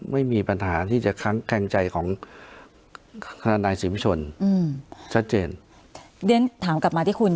ไม่มีปัญหาที่จะค้างแข็งใจของทนายสิมชนอืมชัดเจนเรียนถามกลับมาที่คุณ